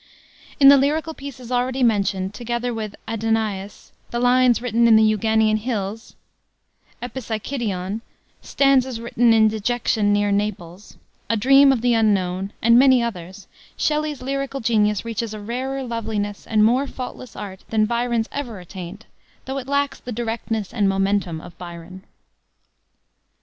In the lyrical pieces already mentioned, together with Adonais, the lines Written in the Euganean Hills, Epipsychidion, Stanzas Written in Dejection near Naples, A Dream of the Unknown, and many others, Shelley's lyrical genius reaches a rarer loveliness and a more faultless art than Byron's ever attained, though it lacks the directness and momentum of Byron.